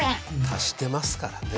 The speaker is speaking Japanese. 足してますからね。